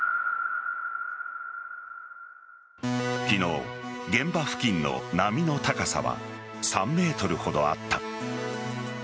昨日、現場付近の波の高さは３ｍほどあった。